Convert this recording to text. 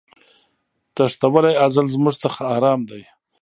تښتولی ازل زموږ څخه آرام دی